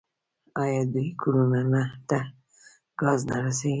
آیا دوی کورونو ته ګاز نه رسوي؟